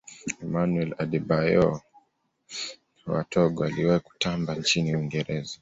emmanuel adebayor wa togo aliwahi kutamba nchini uingereza